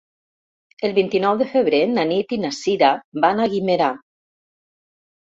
El vint-i-nou de febrer na Nit i na Sira van a Guimerà.